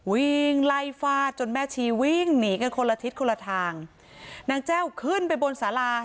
วิ่งไล่ฟาดจนแม่ชีวิ่งหนีกันคนละทิศคนละทางนางแจ้วขึ้นไปบนสารา